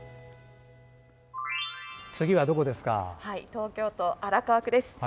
東京都荒川区です。